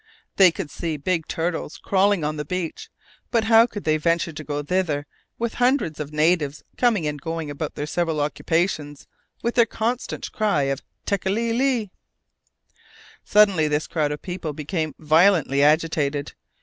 They could see big turtles crawling on the beach, but how could they venture to go thither, with hundreds of natives coming and going about their several occupations, with their constant cry of tékéli li? Suddenly, this crowd of people became violently agitated.